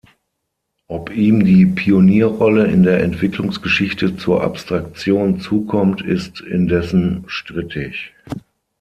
Ob ihm die Pionierrolle in der Entwicklungsgeschichte zur Abstraktion zukommt, ist indessen strittig.